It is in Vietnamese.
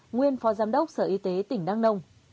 nguyên phó giám đốc sở y tế tỉnh đắk nông